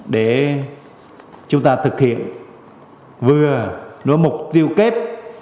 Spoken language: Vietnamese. để chúng ta thực hiện vừa mục tiêu kép